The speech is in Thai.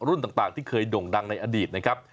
ต่างที่เคยด่งดังในอดีตนะครับ